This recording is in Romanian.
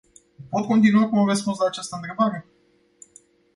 Pot continua cu un răspuns la această întrebare?